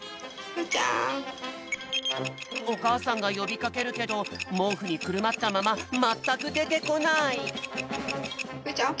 おかあさんがよびかけるけどもうふにくるまったまままったくでてこない。